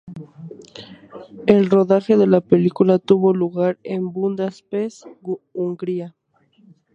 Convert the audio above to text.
El rodaje de la película tuvo lugar en Budapest, Hungría.